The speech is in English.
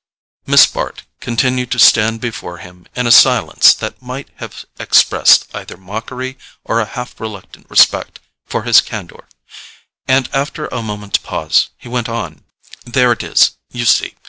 Miss Bart continued to stand before him in a silence that might have expressed either mockery or a half reluctant respect for his candour, and after a moment's pause he went on: "There it is, you see.